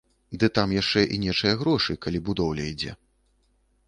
Ды там яшчэ і нечыя грошы, калі будоўля ідзе.